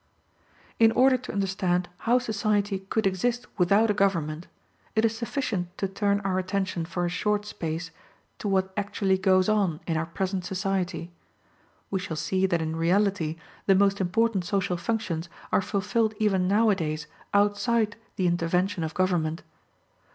In order to understand how society could exist without a government, it is sufficient to turn our attention for a short space to what actually goes on in our present society. We shall see that in reality the most important social functions are fulfilled even now a days outside the intervention of government.